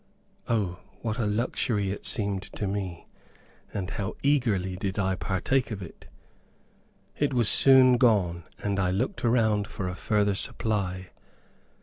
O, what a luxury it seemed to me, and how eagerly did I partake of it! It was soon gone, and I looked around for a further supply.